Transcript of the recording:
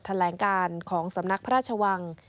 แถลงการของสำนักพระราชวัง